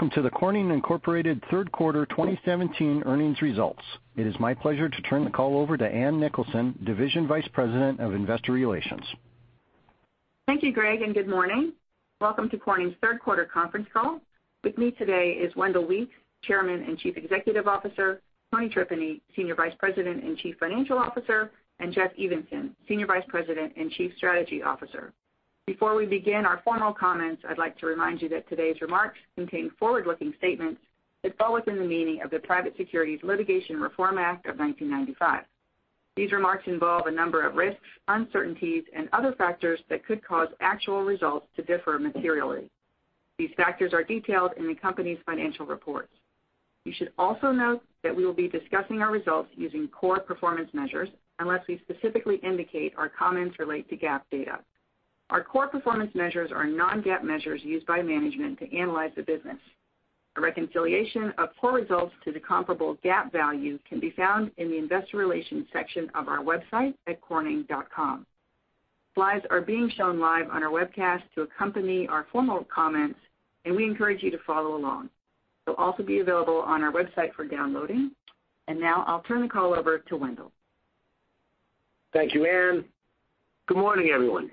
Welcome to the Corning Incorporated third quarter 2017 earnings results. It is my pleasure to turn the call over to Ann Nicholson, Division Vice President of Investor Relations. Thank you, Greg, and good morning. Welcome to Corning's third quarter conference call. With me today is Wendell Weeks, Chairman and Chief Executive Officer, Tony Tripeny, Senior Vice President and Chief Financial Officer, and Jeff Evenson, Senior Vice President and Chief Strategy Officer. Before we begin our formal comments, I'd like to remind you that today's remarks contain forward-looking statements that fall within the meaning of the Private Securities Litigation Reform Act of 1995. These remarks involve a number of risks, uncertainties and other factors that could cause actual results to differ materially. These factors are detailed in the company's financial reports. You should also note that we will be discussing our results using core performance measures, unless we specifically indicate our comments relate to GAAP data. Our core performance measures are non-GAAP measures used by management to analyze the business. A reconciliation of core results to the comparable GAAP value can be found in the investor relations section of our website at corning.com. Slides are being shown live on our webcast to accompany our formal comments, and we encourage you to follow along. They'll also be available on our website for downloading. Now I'll turn the call over to Wendell. Thank you, Ann. Good morning, everyone.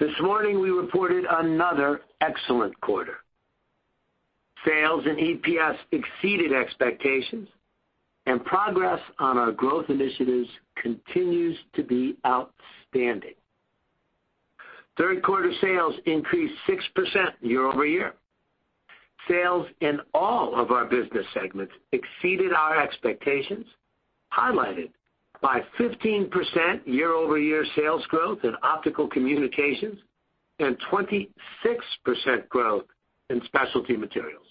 This morning, we reported another excellent quarter. Sales and EPS exceeded expectations and progress on our growth initiatives continues to be outstanding. Third quarter sales increased 6% year-over-year. Sales in all of our business segments exceeded our expectations, highlighted by 15% year-over-year sales growth in Optical Communications and 26% growth in Specialty Materials.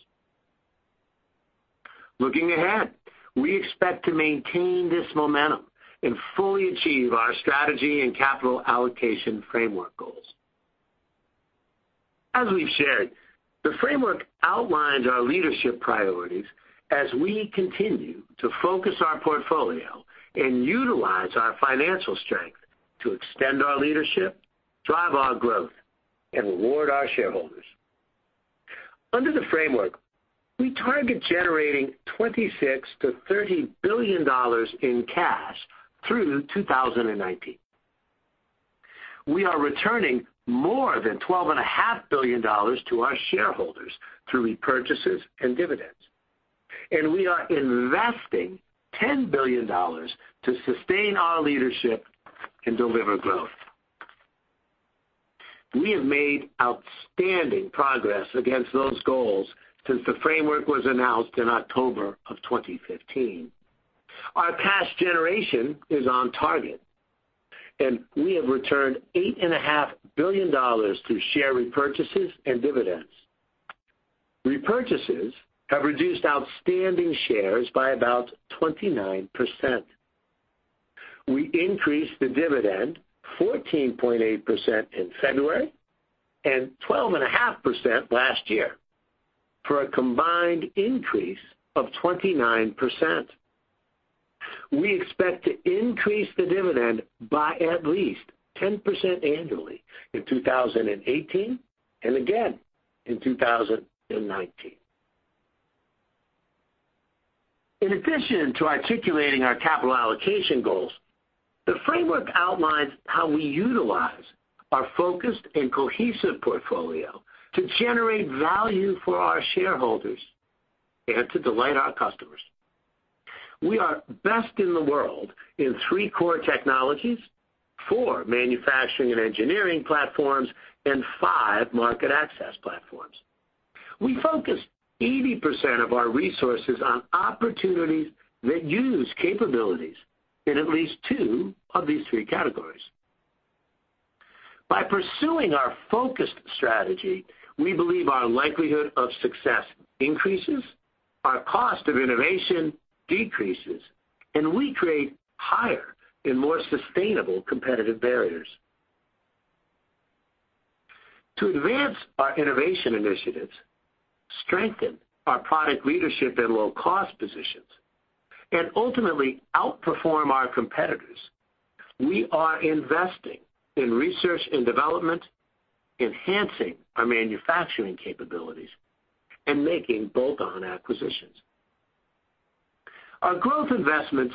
Looking ahead, we expect to maintain this momentum and fully achieve our strategy and capital allocation framework goals. As we've shared, the framework outlines our leadership priorities as we continue to focus our portfolio and utilize our financial strength to extend our leadership, drive our growth, and reward our shareholders. Under the framework, we target generating $26 billion-$30 billion in cash through 2019. We are returning more than $12.5 billion to our shareholders through repurchases and dividends, and we are investing $10 billion to sustain our leadership and deliver growth. We have made outstanding progress against those goals since the framework was announced in October of 2015. Our cash generation is on target, and we have returned $8.5 billion through share repurchases and dividends. Repurchases have reduced outstanding shares by about 29%. We increased the dividend 14.8% in February and 12.5% last year for a combined increase of 29%. We expect to increase the dividend by at least 10% annually in 2018 and again in 2019. In addition to articulating our capital allocation goals, the framework outlines how we utilize our focused and cohesive portfolio to generate value for our shareholders and to delight our customers. We are best in the world in three core technologies, four manufacturing and engineering platforms, and five market access platforms. We focus 80% of our resources on opportunities that use capabilities in at least two of these three categories. By pursuing our focused strategy, we believe our likelihood of success increases, our cost of innovation decreases, and we create higher and more sustainable competitive barriers. To advance our innovation initiatives, strengthen our product leadership and low-cost positions, and ultimately outperform our competitors, we are investing in research and development, enhancing our manufacturing capabilities, and making bolt-on acquisitions. Our growth investments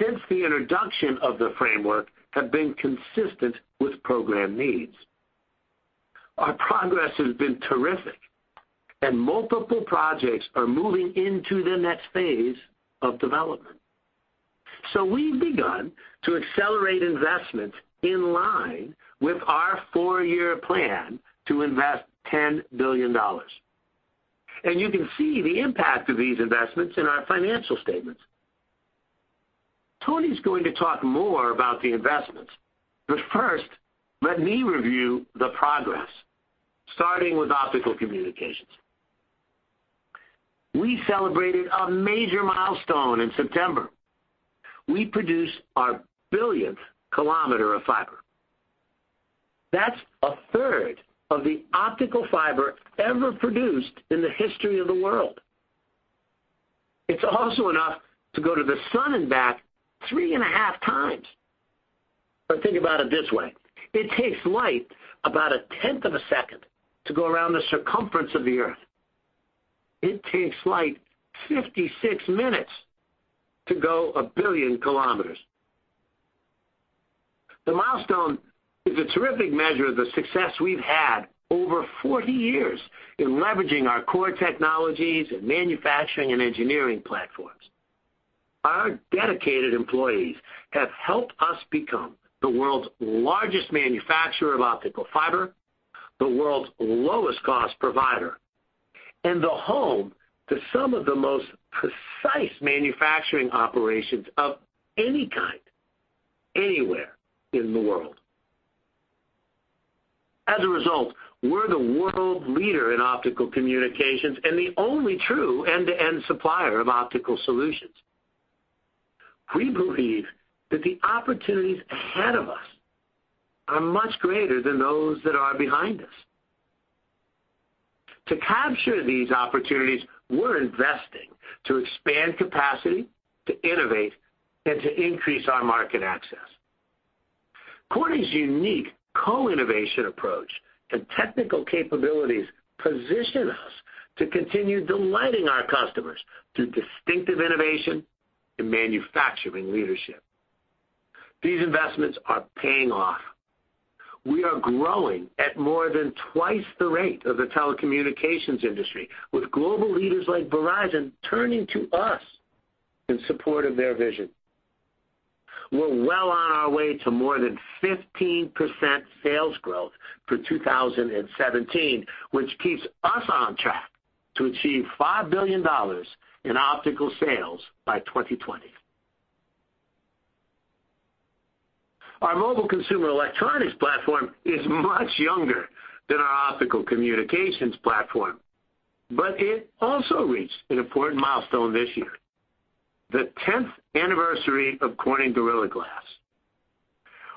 since the introduction of the framework have been consistent with program needs. Our progress has been terrific, and multiple projects are moving into the next phase of development. We've begun to accelerate investments in line with our four-year plan to invest $10 billion, and you can see the impact of these investments in our financial statements. Tony's going to talk more about the investments, but first, let me review the progress, starting with Optical Communications. We celebrated a major milestone in September. We produced our billionth kilometer of fiber. That's a third of the optical fiber ever produced in the history of the world. It's also enough to go to the sun and back three and a half times. But think about it this way. It takes light about a 10th of a second to go around the circumference of the Earth. It takes light 56 minutes to go a billion kilometers. The milestone is a terrific measure of the success we've had over 40 years in leveraging our core technologies and manufacturing and engineering platforms. Our dedicated employees have helped us become the world's largest manufacturer of optical fiber, the world's lowest cost provider, and the home to some of the most precise manufacturing operations of any kind, anywhere in the world. As a result, we're the world leader in Optical Communications and the only true end-to-end supplier of optical solutions. We believe that the opportunities ahead of us are much greater than those that are behind us. To capture these opportunities, we're investing to expand capacity, to innovate, and to increase our market access. Corning's unique co-innovation approach and technical capabilities position us to continue delighting our customers through distinctive innovation and manufacturing leadership. These investments are paying off. We are growing at more than twice the rate of the telecommunications industry, with global leaders like Verizon turning to us in support of their vision. We're well on our way to more than 15% sales growth for 2017, which keeps us on track to achieve $5 billion in optical sales by 2020. Our Mobile Consumer Electronics platform is much younger than our Optical Communications platform, but it also reached an important milestone this year, the 10th anniversary of Corning Gorilla Glass.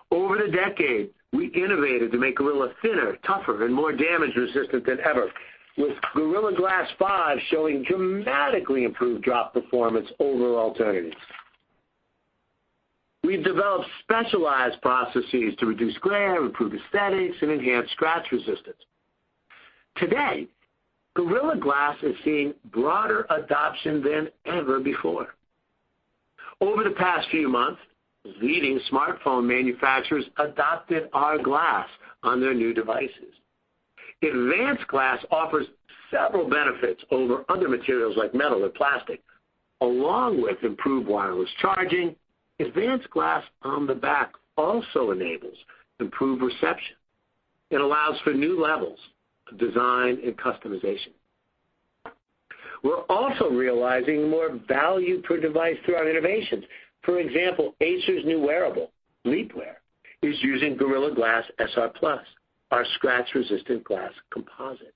Over the decade, we innovated to make Gorilla thinner, tougher, and more damage resistant than ever. With Gorilla Glass 5 showing dramatically improved drop performance over alternatives. We've developed specialized processes to reduce glare, improve aesthetics, and enhance scratch resistance. Today, Gorilla Glass is seeing broader adoption than ever before. Over the past few months, leading smartphone manufacturers adopted our glass on their new devices. Advanced glass offers several benefits over other materials like metal or plastic. Along with improved wireless charging, advanced glass on the back also enables improved reception and allows for new levels of design and customization. We're also realizing more value per device through our innovations. For example, Acer's new wearable, Leap Ware, is using Gorilla Glass SR+, our scratch-resistant glass composite.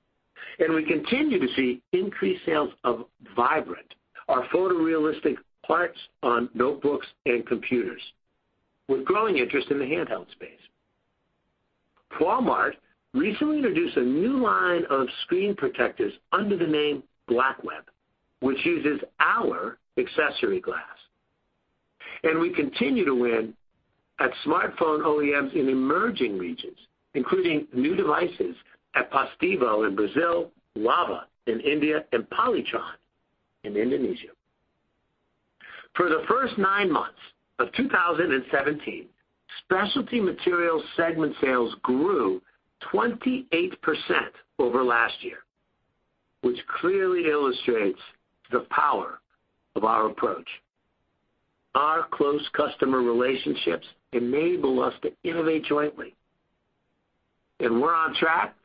We continue to see increased sales of Vibrant, our photorealistic parts on notebooks and computers, with growing interest in the handheld space. Walmart recently introduced a new line of screen protectors under the name Blackweb, which uses our accessory glass. We continue to win at smartphone OEMs in emerging regions, including new devices at Positivo in Brazil, Lava in India, and Polytron in Indonesia. For the first nine months of 2017, Specialty Materials segment sales grew 28% over last year, which clearly illustrates the power of our approach. Our close customer relationships enable us to innovate jointly, and we're on track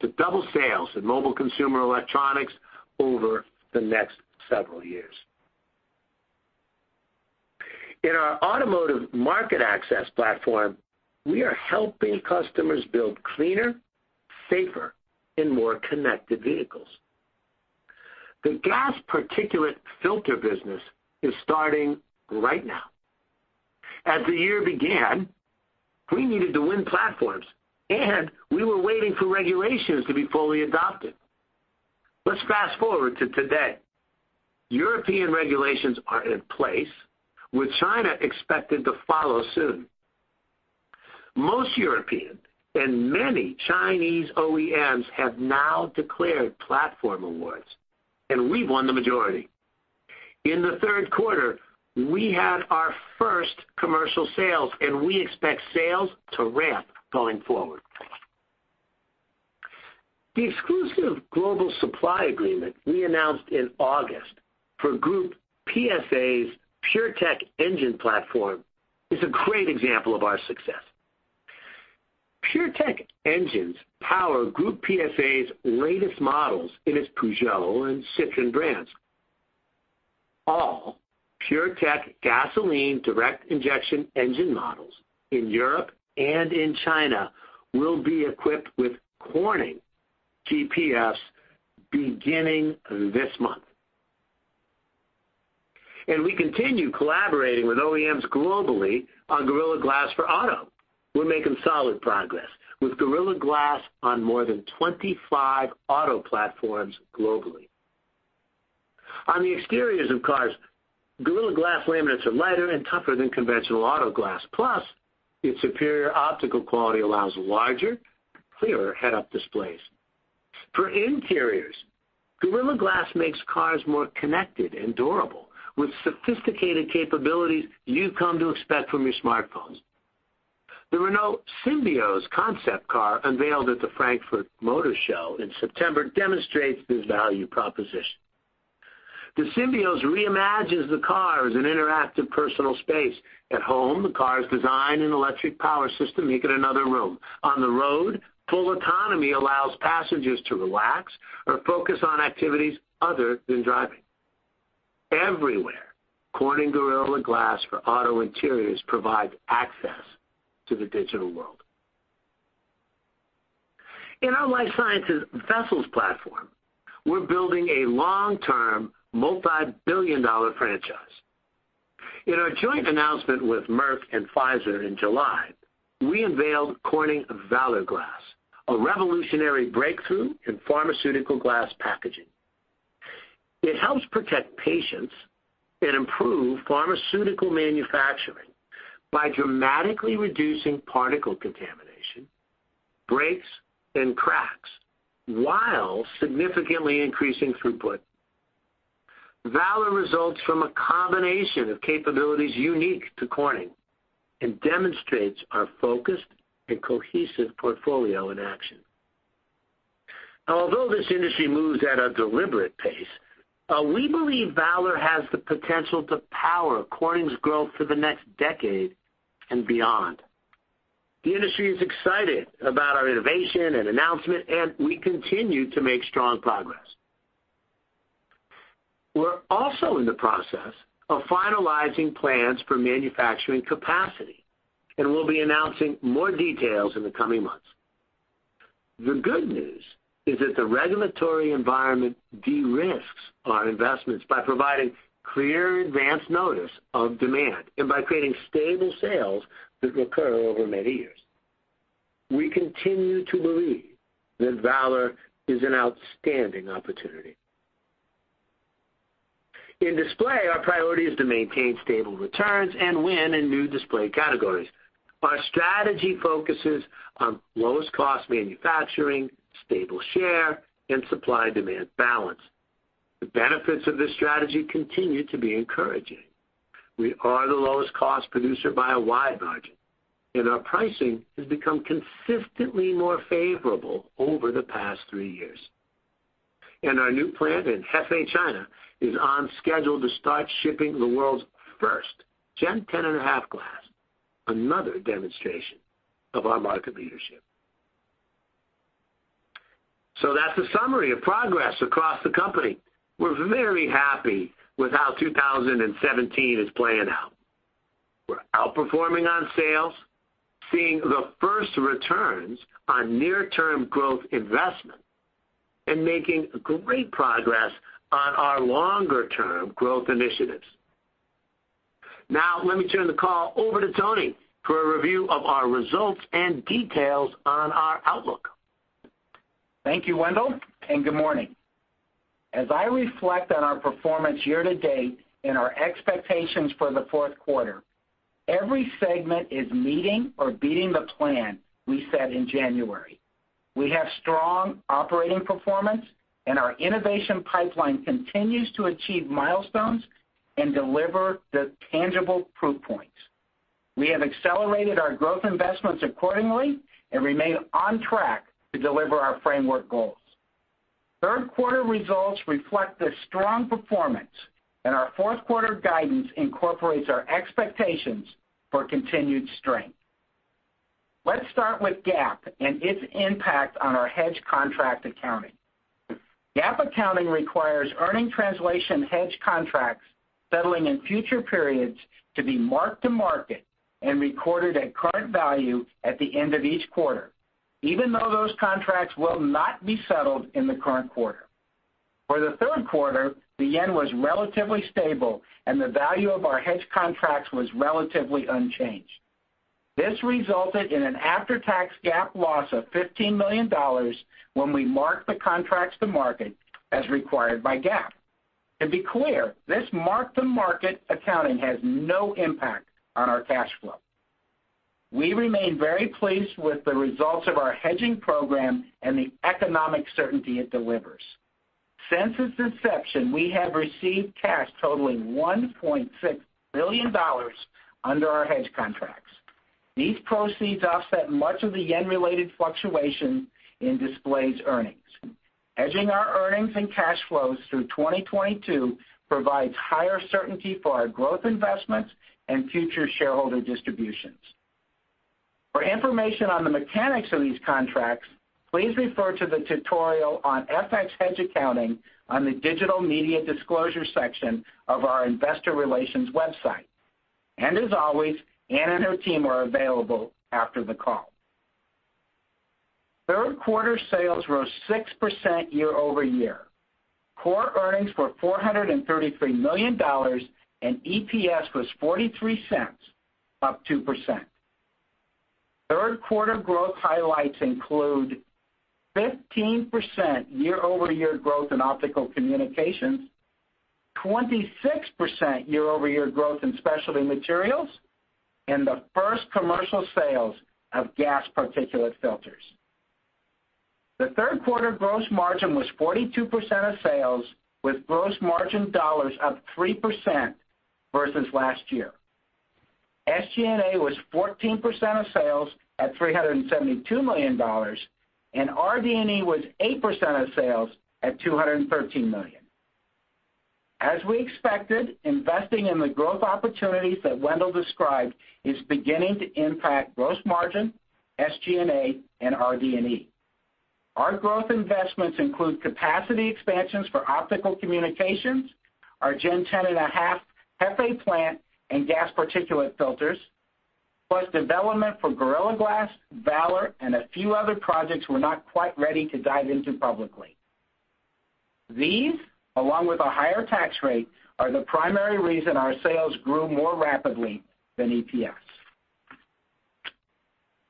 to double sales in Mobile Consumer Electronics over the next several years. In our automotive market access platform, we are helping customers build cleaner, safer, and more connected vehicles. The gas particulate filter business is starting right now. As the year began, we needed to win platforms, and we were waiting for regulations to be fully adopted. Let's fast-forward to today. European regulations are in place, with China expected to follow soon. Most European and many Chinese OEMs have now declared platform awards, and we've won the majority. In the third quarter, we had our first commercial sales, and we expect sales to ramp going forward. The exclusive global supply agreement we announced in August for Groupe PSA's PureTech engine platform is a great example of our success. PureTech engines power Groupe PSA's latest models in its Peugeot and Citroën brands. All PureTech gasoline direct injection engine models in Europe and in China will be equipped with Corning GPFs beginning this month. We continue collaborating with OEMs globally on Gorilla Glass for auto. We're making solid progress, with Gorilla Glass on more than 25 auto platforms globally. On the exteriors of cars, Gorilla Glass laminates are lighter and tougher than conventional auto glass. Plus, its superior optical quality allows larger, clearer head-up displays. For interiors, Gorilla Glass makes cars more connected and durable, with sophisticated capabilities you've come to expect from your smartphones. The Renault Symbioz concept car, unveiled at the Frankfurt Motor Show in September, demonstrates this value proposition. The Symbioz reimagines the car as an interactive personal space. At home, the car's design and electric power system make it another room. On the road, full autonomy allows passengers to relax or focus on activities other than driving. Everywhere, Corning Gorilla Glass for auto interiors provides access to the digital world. In our Life Sciences vessels platform, we're building a long-term, multi-billion-dollar franchise. In our joint announcement with Merck and Pfizer in July, we unveiled Corning Valor Glass, a revolutionary breakthrough in pharmaceutical glass packaging. It helps protect patients and improve pharmaceutical manufacturing by dramatically reducing particle contamination, breaks, and cracks while significantly increasing throughput. Valor results from a combination of capabilities unique to Corning and demonstrates our focused and cohesive portfolio in action. Although this industry moves at a deliberate pace, we believe Valor has the potential to power Corning's growth for the next decade and beyond. The industry is excited about our innovation and announcement, and we continue to make strong progress. We're also in the process of finalizing plans for manufacturing capacity, and we'll be announcing more details in the coming months. The good news is that the regulatory environment de-risks our investments by providing clear advanced notice of demand and by creating stable sales that will occur over many years. We continue to believe that Valor is an outstanding opportunity. In display, our priority is to maintain stable returns and win in new display categories. Our strategy focuses on lowest-cost manufacturing, stable share, and supply-demand balance. The benefits of this strategy continue to be encouraging. We are the lowest-cost producer by a wide margin, and our pricing has become consistently more favorable over the past three years. Our new plant in Hefei, China is on schedule to start shipping the world's first Gen 10.5 glass, another demonstration of our market leadership. That's a summary of progress across the company. We're very happy with how 2017 is playing out. We're outperforming on sales, seeing the first returns on near-term growth investments, and making great progress on our longer-term growth initiatives. Let me turn the call over to Tony for a review of our results and details on our outlook. Thank you, Wendell, and good morning. As I reflect on our performance year to date and our expectations for the fourth quarter, every segment is meeting or beating the plan we set in January. We have strong operating performance, and our innovation pipeline continues to achieve milestones and deliver the tangible proof points. We have accelerated our growth investments accordingly and remain on track to deliver our framework goals. Third quarter results reflect this strong performance, and our fourth quarter guidance incorporates our expectations for continued strength. Let's start with GAAP and its impact on our hedge contract accounting. GAAP accounting requires earning translation hedge contracts settling in future periods to be mark to market and recorded at current value at the end of each quarter, even though those contracts will not be settled in the current quarter. For the third quarter, the yen was relatively stable, and the value of our hedge contracts was relatively unchanged. This resulted in an after-tax GAAP loss of $15 million when we marked the contracts to market as required by GAAP. To be clear, this mark-to-market accounting has no impact on our cash flow. We remain very pleased with the results of our hedging program and the economic certainty it delivers. Since its inception, we have received cash totaling $1.6 billion under our hedge contracts. These proceeds offset much of the yen-related fluctuation in display's earnings. Hedging our earnings and cash flows through 2022 provides higher certainty for our growth investments and future shareholder distributions. For information on the mechanics of these contracts, please refer to the tutorial on FX hedge accounting on the digital media disclosure section of our investor relations website. As always, Ann and her team are available after the call. Third quarter sales rose 6% year-over-year. Core earnings were $433 million, and EPS was $0.43, up 2%. Third quarter growth highlights include 15% year-over-year growth in Optical Communications, 26% year-over-year growth in Specialty Materials, and the first commercial sales of gas particulate filters. The third quarter gross margin was 42% of sales, with gross margin dollars up 3% versus last year. SG&A was 14% of sales at $372 million, and RD&E was 8% of sales at $213 million. As we expected, investing in the growth opportunities that Wendell described is beginning to impact gross margin, SG&A, and RD&E. Our growth investments include capacity expansions for Optical Communications, our Gen 10.5 Hefei plant, and gas particulate filters, plus development for Gorilla Glass, Valor, and a few other projects we are not quite ready to dive into publicly. These, along with a higher tax rate, are the primary reason our sales grew more rapidly than EPS.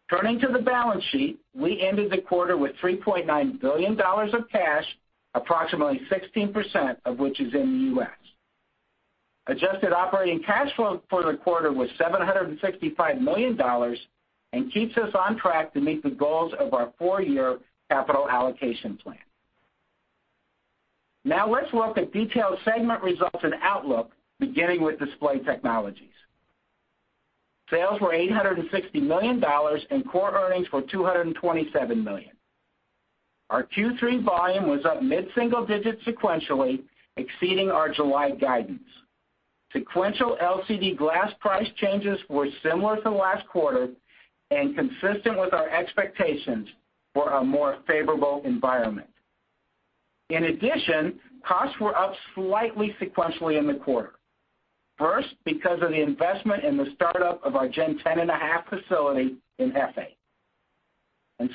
Turning to the balance sheet, we ended the quarter with $3.9 billion of cash, approximately 16% of which is in the U.S. Adjusted operating cash flow for the quarter was $765 million and keeps us on track to meet the goals of our four-year capital allocation plan. Now let us look at detailed segment results and outlook, beginning with Display Technologies. Sales were $860 million, and core earnings were $227 million. Our Q3 volume was up mid-single digits sequentially, exceeding our July guidance. Sequential LCD glass price changes were similar to last quarter and consistent with our expectations for a more favorable environment. In addition, costs were up slightly sequentially in the quarter. First, because of the investment in the startup of our Gen 10.5 facility in Hefei.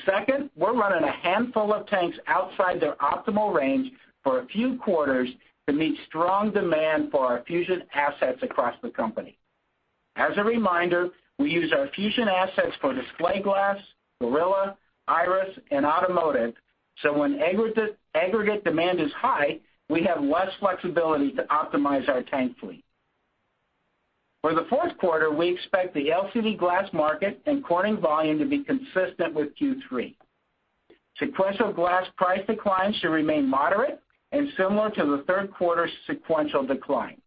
Second, we are running a handful of tanks outside their optimal range for a few quarters to meet strong demand for our fusion assets across the company. As a reminder, we use our fusion assets for display glass, Gorilla, Iris, and automotive, so when aggregate demand is high, we have less flexibility to optimize our tank fleet. For the fourth quarter, we expect the LCD glass market and Corning volume to be consistent with Q3. Sequential glass price declines should remain moderate and similar to the third quarter sequential decline.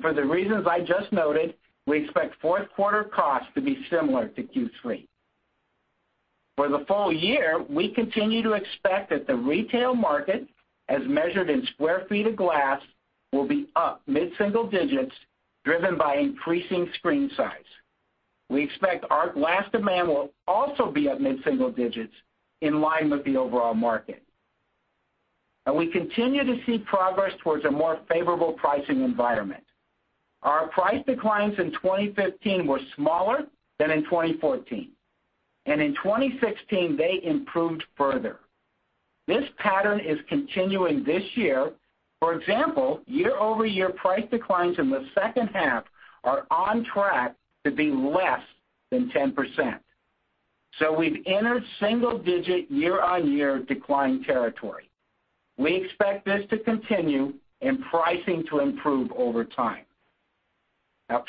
For the reasons I just noted, we expect fourth quarter costs to be similar to Q3. For the full year, we continue to expect that the retail market, as measured in square feet of glass, will be up mid-single digits, driven by increasing screen size. We expect our glass demand will also be up mid-single digits, in line with the overall market. We continue to see progress towards a more favorable pricing environment. Our price declines in 2015 were smaller than in 2014, and in 2016, they improved further. This pattern is continuing this year. For example, year-over-year price declines in the second half are on track to be less than 10%. We've entered single-digit year-on-year decline territory. We expect this to continue and pricing to improve over time.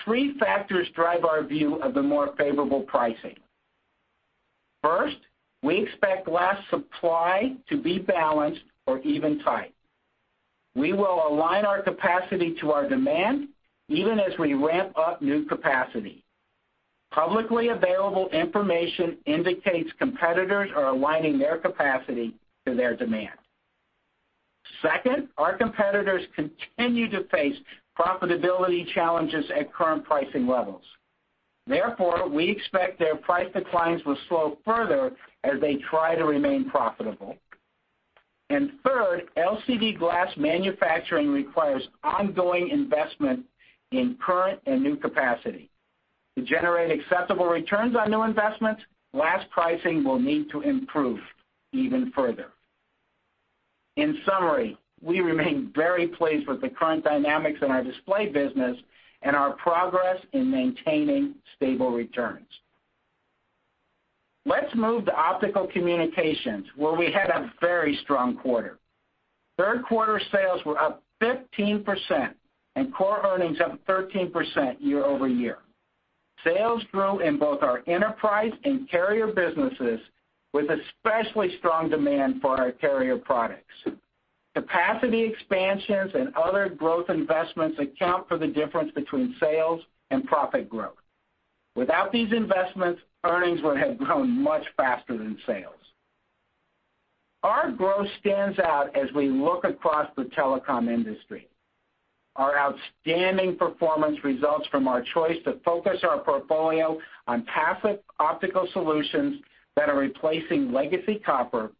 Three factors drive our view of the more favorable pricing. First, we expect glass supply to be balanced or even tight. We will align our capacity to our demand even as we ramp up new capacity. Publicly available information indicates competitors are aligning their capacity to their demand. Second, our competitors continue to face profitability challenges at current pricing levels. Therefore, we expect their price declines will slow further as they try to remain profitable. Third, LCD glass manufacturing requires ongoing investment in current and new capacity. To generate acceptable returns on new investments, glass pricing will need to improve even further. In summary, we remain very pleased with the current dynamics in our display business and our progress in maintaining stable returns. Let's move to Optical Communications, where we had a very strong quarter. Third quarter sales were up 15%, and core earnings up 13% year-over-year. Sales grew in both our enterprise and carrier businesses, with especially strong demand for our carrier products. Capacity expansions and other growth investments account for the difference between sales and profit growth. Without these investments, earnings would have grown much faster than sales. Our growth stands out as we look across the telecom industry. Our outstanding performance results from our choice to focus our portfolio on passive optical solutions that are replacing legacy copper,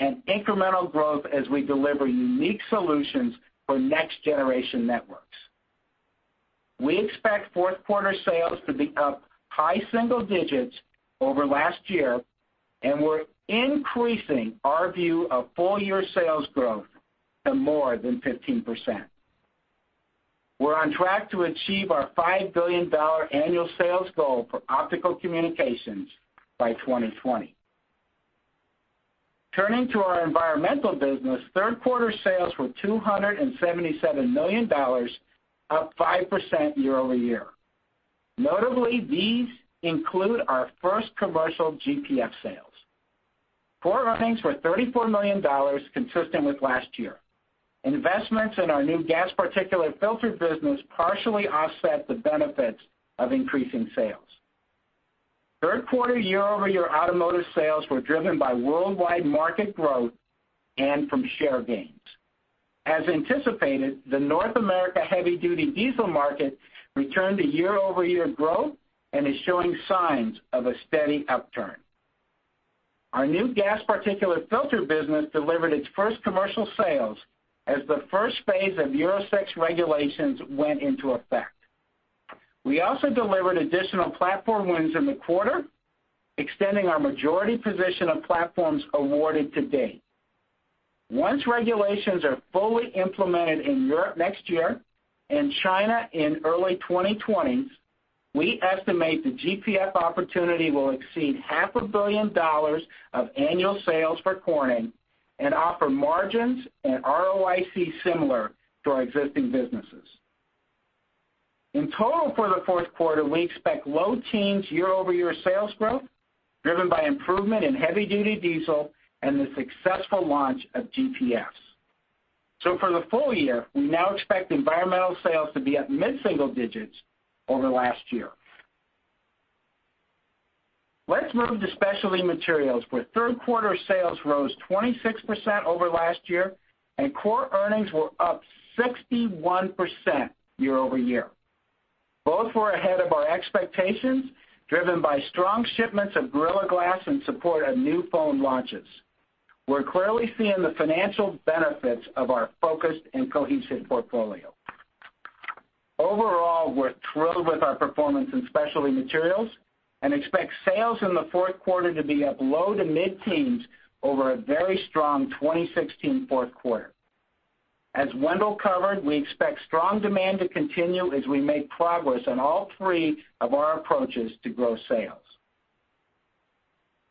and incremental growth as we deliver unique solutions for next-generation networks. We expect fourth quarter sales to be up high single digits over last year, and we're increasing our view of full-year sales growth to more than 15%. We're on track to achieve our $5 billion annual sales goal for Optical Communications by 2020. Turning to our environmental business, third-quarter sales were $277 million, up 5% year-over-year. Notably, these include our first commercial GPF sales. Core earnings were $34 million, consistent with last year. Investments in our new gas particulate filter business partially offset the benefits of increasing sales. Third quarter year-over-year automotive sales were driven by worldwide market growth and from share gains. As anticipated, the North America heavy duty diesel market returned to year-over-year growth and is showing signs of a steady upturn. Our new gas particulate filter business delivered its first commercial sales as the first phase of Euro 6 regulations went into effect. We also delivered additional platform wins in the quarter, extending our majority position of platforms awarded to date. Once regulations are fully implemented in Europe next year, and China in early 2020s, we estimate the GPF opportunity will exceed half a billion dollars of annual sales for Corning and offer margins and ROIC similar to our existing businesses. In total for the fourth quarter, we expect low teens year-over-year sales growth driven by improvement in heavy duty diesel and the successful launch of GPFs. For the full year, we now expect environmental sales to be up mid-single digits over last year. Let's move to Specialty Materials, where third-quarter sales rose 26% over last year, and core earnings were up 61% year-over-year. Both were ahead of our expectations, driven by strong shipments of Gorilla Glass in support of new phone launches. We're clearly seeing the financial benefits of our focused and cohesive portfolio. Overall, we're thrilled with our performance in Specialty Materials and expect sales in the fourth quarter to be up low to mid-teens over a very strong 2016 fourth quarter. As Wendell covered, we expect strong demand to continue as we make progress on all three of our approaches to grow sales.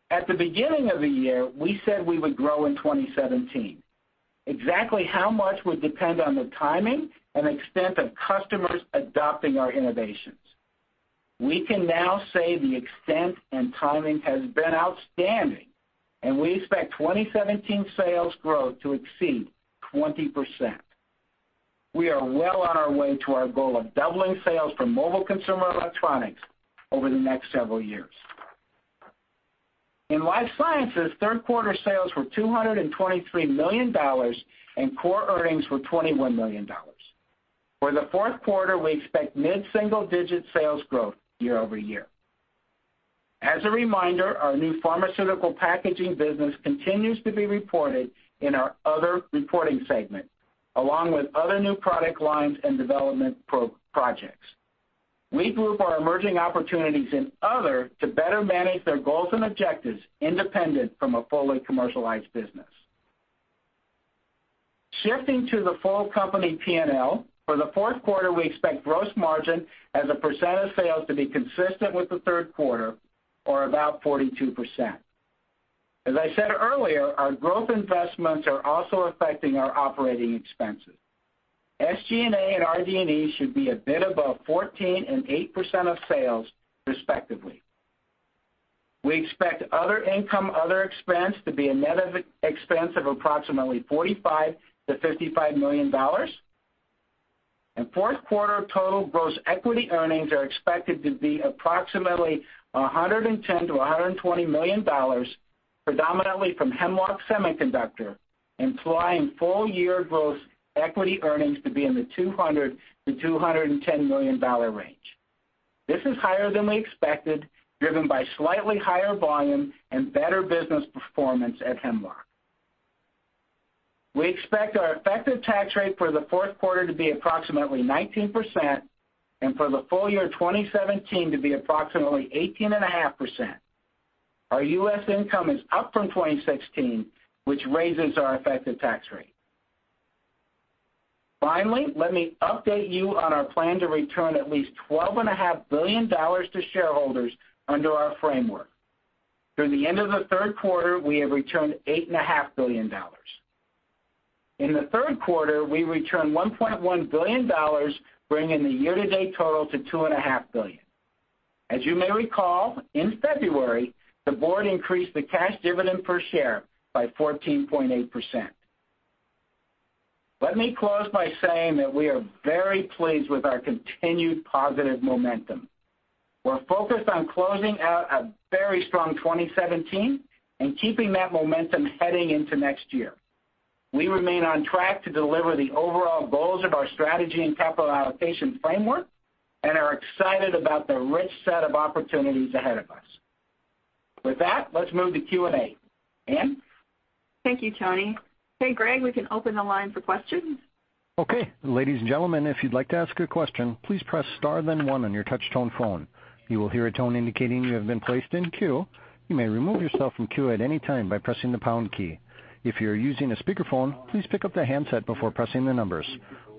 At the beginning of the year, we said we would grow in 2017. Exactly how much would depend on the timing and extent of customers adopting our innovations. We can now say the extent and timing has been outstanding, and we expect 2017 sales growth to exceed 20%. We are well on our way to our goal of doubling sales for Mobile Consumer Electronics over the next several years. In Life Sciences, third-quarter sales were $223 million, and core earnings were $21 million. For the fourth quarter, we expect mid-single digit sales growth year-over-year. As a reminder, our new pharmaceutical packaging business continues to be reported in our other reporting segment, along with other new product lines and development projects. We group our emerging opportunities in other to better manage their goals and objectives independent from a fully commercialized business. Shifting to the full company P&L, for the fourth quarter, we expect gross margin as a percent of sales to be consistent with the third quarter or about 42%. As I said earlier, our growth investments are also affecting our operating expenses. SG&A and RD&E should be a bit above 14% and 8% of sales, respectively. We expect other income, other expense to be a net expense of approximately $45 million to $55 million. Fourth quarter total gross equity earnings are expected to be approximately $110 million to $120 million, predominantly from Hemlock Semiconductor, implying full-year gross equity earnings to be in the $200 million to $210 million range. This is higher than we expected, driven by slightly higher volume and better business performance at Hemlock. We expect our effective tax rate for the fourth quarter to be approximately 19% and for the full year 2017 to be approximately 18.5%. Our U.S. income is up from 2016, which raises our effective tax rate. Finally, let me update you on our plan to return at least $12.5 billion to shareholders under our framework. Through the end of the third quarter, we have returned $8.5 billion. In the third quarter, we returned $1.1 billion, bringing the year-to-date total to $2.5 billion. As you may recall, in February, the board increased the cash dividend per share by 14.8%. Let me close by saying that we are very pleased with our continued positive momentum. We're focused on closing out a very strong 2017 and keeping that momentum heading into next year. We remain on track to deliver the overall goals of our strategy and capital allocation framework and are excited about the rich set of opportunities ahead of us. With that, let's move to Q&A. Ann? Thank you, Tony. Hey, Greg, we can open the line for questions. Okay. Ladies and gentlemen, if you'd like to ask a question, please press star then one on your touch-tone phone. You will hear a tone indicating you have been placed in queue. You may remove yourself from queue at any time by pressing the pound key. If you're using a speakerphone, please pick up the handset before pressing the numbers.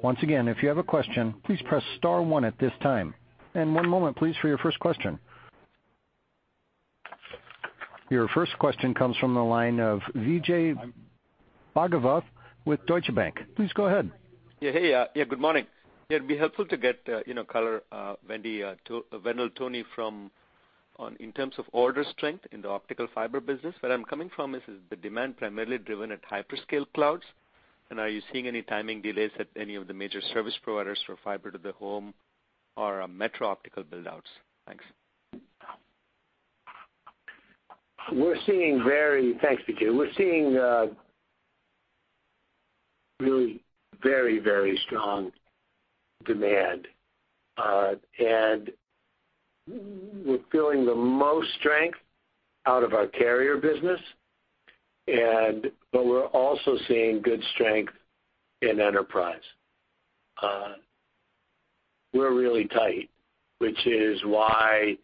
Once again, if you have a question, please press star one at this time. One moment, please, for your first question. Your first question comes from the line of Vijay Bhargava with Deutsche Bank. Please go ahead. Yeah. Hey. Good morning. It'd be helpful to get color, Wendell, Tony, in terms of order strength in the optical fiber business. Where I'm coming from is the demand primarily driven at hyperscale clouds, are you seeing any timing delays at any of the major service providers for fiber to the home or metro optical build-outs? Thanks. Thanks, Vijay. We're seeing really very strong demand. We're feeling the most strength out of our carrier business, we're also seeing good strength in enterprise. We're really tight, which is why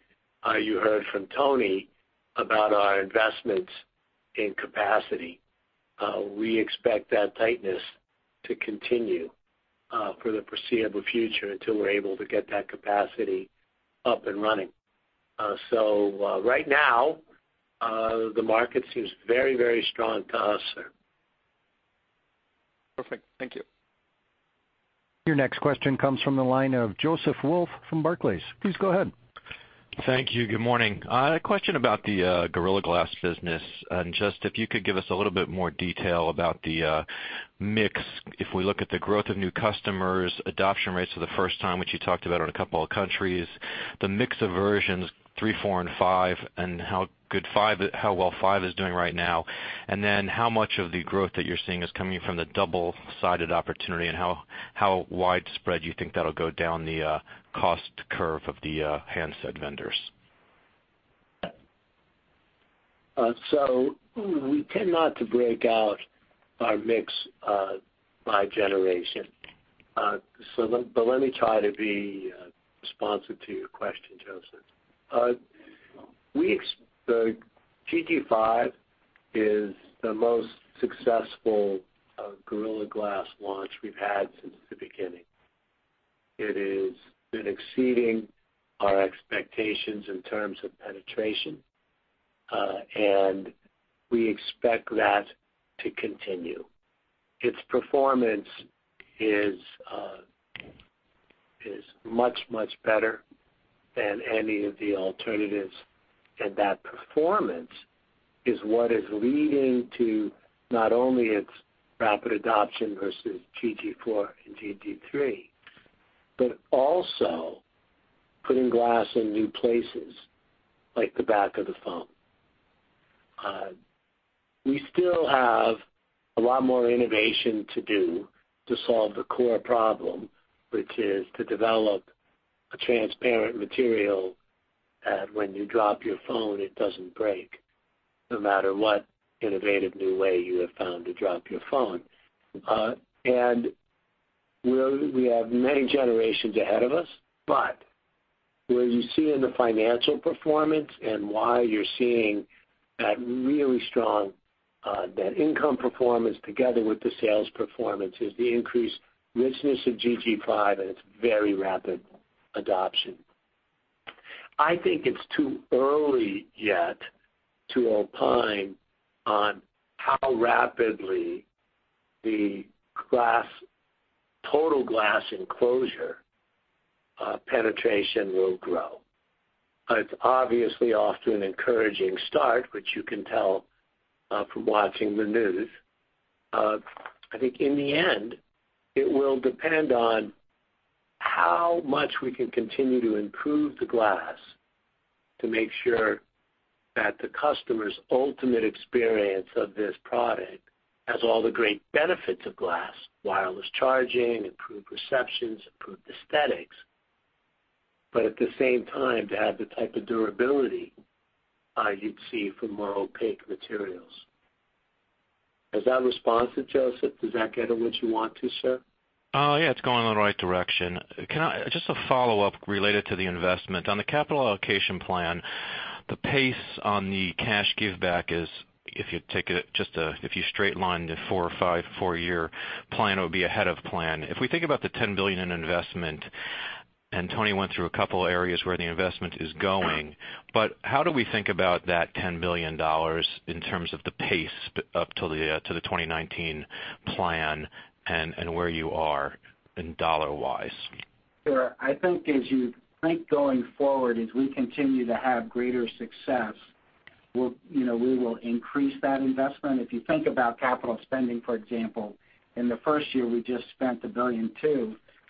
you heard from Tony about our investments in capacity. We expect that tightness to continue for the foreseeable future until we're able to get that capacity up and running. Right now, the market seems very strong to us. Perfect. Thank you. Your next question comes from the line of Joseph Wolf from Barclays. Please go ahead. Thank you. Good morning. A question about the Gorilla Glass business, and just if you could give us a little bit more detail about the mix. If we look at the growth of new customers, adoption rates for the first time, which you talked about in a couple of countries, the mix of versions 3, 4, and 5, and how well 5 is doing right now. Then how much of the growth that you're seeing is coming from the double-sided opportunity, and how widespread you think that'll go down the cost curve of the handset vendors. We tend not to break out our mix by generation. Let me try to be responsive to your question, Joseph. The GG5 is the most successful Gorilla Glass launch we've had since the beginning. It has been exceeding our expectations in terms of penetration, and we expect that to continue. Its performance is much better than any of the alternatives, and that performance is what is leading to not only its rapid adoption versus GG4 and GG3, but also putting glass in new places like the back of the phone. We still have a lot more innovation to do to solve the core problem, which is to develop a transparent material that when you drop your phone, it doesn't break, no matter what innovative new way you have found to drop your phone. We have many generations ahead of us, but where you see in the financial performance and why you're seeing that really strong net income performance together with the sales performance is the increased richness of GT5 and its very rapid adoption. I think it's too early yet to opine on how rapidly the total glass enclosure penetration will grow. It's obviously off to an encouraging start, which you can tell from watching the news. I think in the end, it will depend on how much we can continue to improve the glass to make sure that the customer's ultimate experience of this product has all the great benefits of glass, wireless charging, improved receptions, improved aesthetics, but at the same time, to have the type of durability you'd see from more opaque materials. Has that responded, Joseph? Does that get at what you want to, sir? Yeah, it's going in the right direction. Just a follow-up related to the investment. On the capital allocation plan, the pace on the cash giveback is, if you straight lined a four or five, four year plan, it would be ahead of plan. If we think about the $10 billion in investment, and Tony went through a couple areas where the investment is going, but how do we think about that $10 billion in terms of the pace up to the 2019 plan, and where you are in dollar-wise? Sure. I think as you think going forward, as we continue to have greater success, we will increase that investment. If you think about capital spending, for example, in the first year, we just spent $1.2 billion.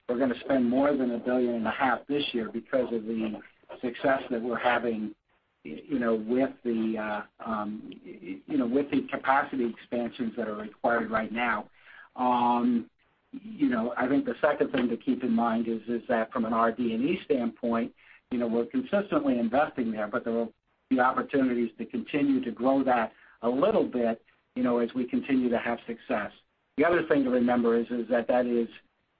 We're going to spend more than $1.5 billion this year because of the success that we're having with the capacity expansions that are required right now. I think the second thing to keep in mind is that from an RD&E standpoint, we're consistently investing there, but there will be opportunities to continue to grow that a little bit, as we continue to have success. The other thing to remember is that is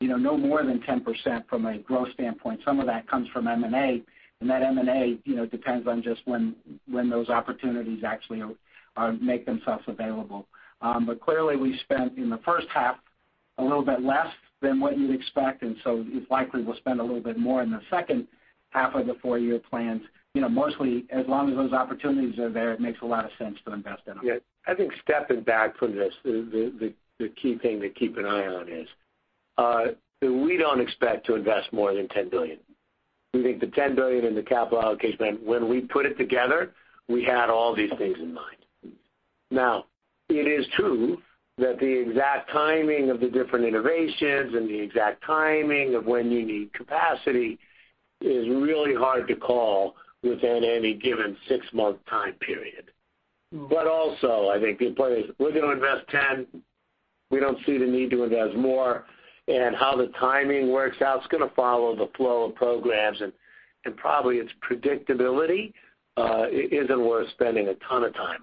no more than 10% from a growth standpoint. Some of that comes from M&A, and that M&A depends on just when those opportunities actually make themselves available. Clearly we spent in the first half a little bit less than what you'd expect, and so it's likely we'll spend a little bit more in the second half of the four-year plans. Mostly as long as those opportunities are there, it makes a lot of sense to invest in them. Yeah. I think stepping back from this, the key thing to keep an eye on is, we don't expect to invest more than $10 billion. We think the $10 billion in the capital allocation plan, when we put it together, we had all these things in mind. Now, it is true that the exact timing of the different innovations and the exact timing of when you need capacity is really hard to call within any given six-month time period. Also, I think the point is we're going to invest 10. We don't see the need to invest more and how the timing works out. It's going to follow the flow of programs and probably its predictability isn't worth spending a ton of time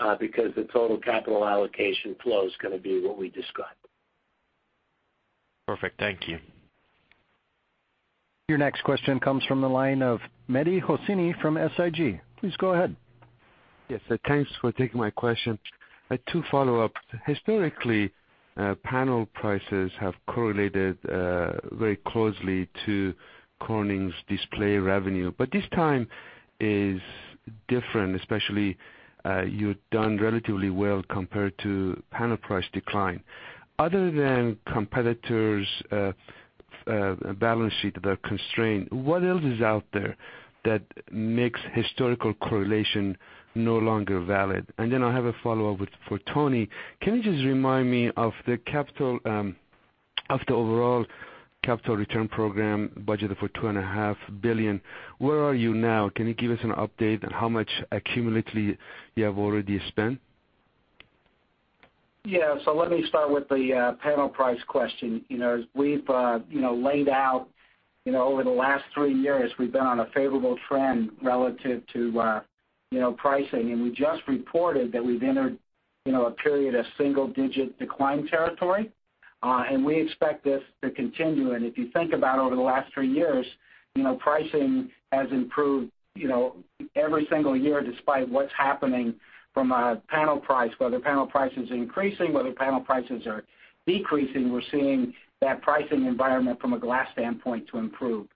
on, because the total capital allocation flow is going to be what we described. Perfect. Thank you. Your next question comes from the line of Mehdi Hosseini from SIG. Please go ahead. Yes. Thanks for taking my question. I had two follow-ups. Historically, panel prices have correlated very closely to Corning's display revenue, but this time is different, especially, you've done relatively well compared to panel price decline. Other than competitors' balance sheet, their constraint, what else is out there that makes historical correlation no longer valid? I have a follow-up with, for Tony. Can you just remind me of the overall capital return program budgeted for $2.5 billion. Where are you now? Can you give us an update on how much accumulatively you have already spent? Yeah. Let me start with the panel price question. As we've laid out over the last three years, we've been on a favorable trend relative to pricing, and we just reported that we've entered a period of single-digit decline territory. We expect this to continue, and if you think about over the last three years, pricing has improved every single year despite what's happening from a panel price, whether panel price is increasing, whether panel prices are decreasing, we're seeing that pricing environment from a glass standpoint to improve.